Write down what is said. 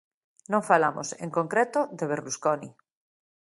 Non falamos, en concreto, de Berlusconi.